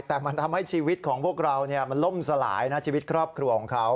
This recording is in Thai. แต่มันทำให้ชีวิตของพวกเรามันล่มสลายนะชีวิตครอบครัวของเขา